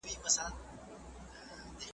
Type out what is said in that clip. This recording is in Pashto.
کشکي ستا پر لوڅ بدن وای ځلېدلی .